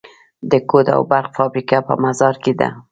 د کود او برق فابریکه په مزار کې ده